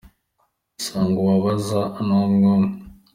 Usanga ubu abaza ni umwe umwe.